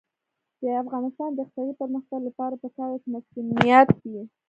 د افغانستان د اقتصادي پرمختګ لپاره پکار ده چې مصونیت وي.